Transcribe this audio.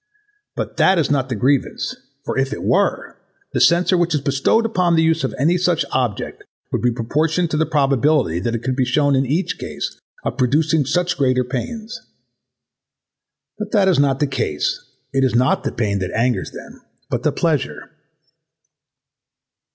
But that is not the grievance: for if it were, the censure which is bestowed on the use of any such object would be proportioned to the probability that could be shewn in each case of its producing such greater pains. But that is not the case: it is not the pain that angers them but the pleasure.